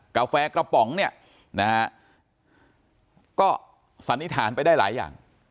กาแฟกระป๋องเนี่ยนะฮะก็สันนิษฐานไปได้หลายอย่าง